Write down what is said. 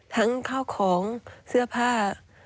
ทั้งข้าวของเสื้อผ้า